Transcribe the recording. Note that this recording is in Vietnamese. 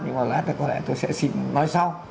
nhưng mà lát nữa tôi sẽ xin nói sau